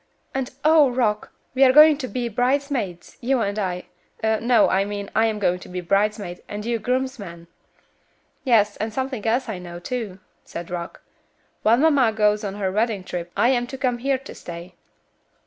And oh, Rock! we are going to be bridesmaids, you and I. No, I mean I am going to be bridesmaid, and you groomsman." "Yes, and something else I know, too," said Rock. "While mamma goes on her wedding trip I am to come here to stay."